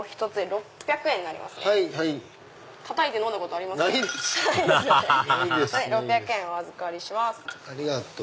ありがとう。